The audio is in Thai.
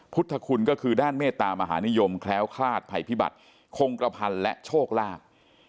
พุทธคุณก็คือด้านเมตตามหานิยมแคล้วคลาดภัยพิบัติคงกระพันธ์และโชคลาภ